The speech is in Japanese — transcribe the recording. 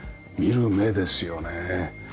見る目ですよね。